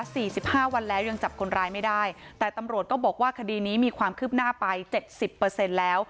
สี่สิบห้าวันแล้วยังจับคนร้ายไม่ได้แต่ตำรวจก็บอกว่าคดีนี้มีความคืบหน้าไปเจ็ดสิบเปอร์เซ็นต์แล้ว